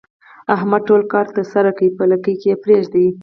احمد ټول کار ترسره کړي په لکۍ کې یې پرېږدي.